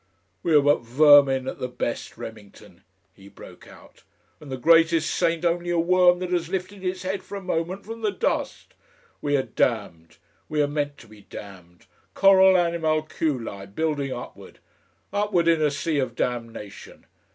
"We are but vermin at the best, Remington," he broke out, "and the greatest saint only a worm that has lifted its head for a moment from the dust. We are damned, we are meant to be damned, coral animalculae building upward, upward in a sea of damnation.